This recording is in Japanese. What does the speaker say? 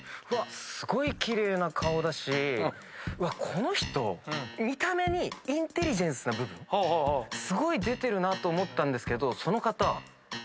すごい奇麗な顔だしこの人見た目にインテリジェンスな部分すごい出てるなと思ったんですけどその方。